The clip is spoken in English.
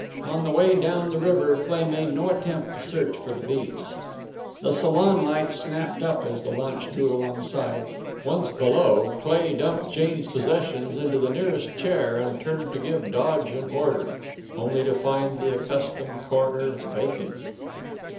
On the way down the river Cleigh made no attempt to search for the beads. The salon lights snapped up as the launch drew alongside. Once below, Cleigh dumped Jane's possessions into the nearest chair and turned to give Dodge an order only to find the accustomed corner vacant!